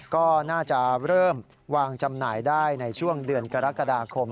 ก็น่าจะเริ่มวางจำหน่ายได้ในช่วงเดือนกรกฎาคม